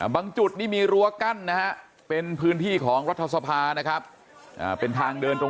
บางจุดนี่มีรัวกั้นนะฮะ